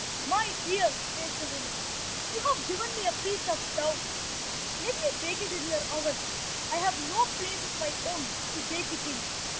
"My dear," says the woman, "you have given me a piece of dough, let me bake it in your oven, for I have no place of my own to bake it in."